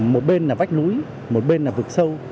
một bên là vách núi một bên là vực sâu